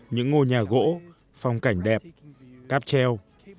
những ngôi nhà gỗ phong cảnh đẹp cáp treo